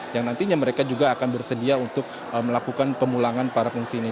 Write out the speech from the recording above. yang nantinya mereka juga akan bersedia untuk melakukan pemulangan para pengungsi ini